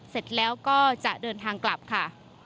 เสร็จแล้วก็จะเดินทางกลับค่ะ